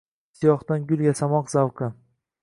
Siyohdan gul yasamoq zavqi.